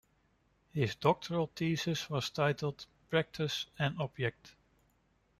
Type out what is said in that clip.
His doctoral thesis was titled "Practice and Object".